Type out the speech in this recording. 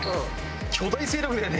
巨大勢力だね